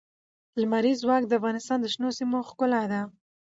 لمریز ځواک د افغانستان د شنو سیمو ښکلا ده.